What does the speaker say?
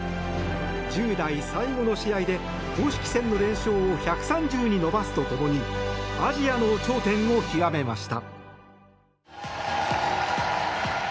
１０代最後の試合で公式戦の連勝を１３０に伸ばすとともにアジアの頂点を極めました。